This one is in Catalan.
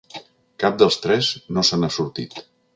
Cap dels tres no se n’ha sortit.